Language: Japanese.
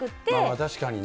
確かにね。